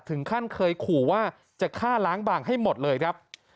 ถึงขั้นเคยขู่ว่าจะฆ่าล้างบางให้หมดเลยครับ